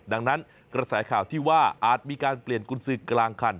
ดังนั้นกระแสข่าวที่ว่าอาจมีการเปลี่ยนกุญสือกลางคัน